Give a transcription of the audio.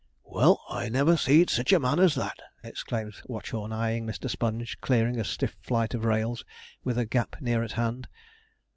'Well, I never see'd sich a man as that!' exclaimed Watchorn, eyeing Mr. Sponge clearing a stiff flight of rails, with a gap near at hand.